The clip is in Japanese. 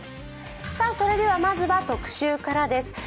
それではまずは特集からです。